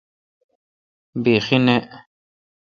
بیخی نہ۔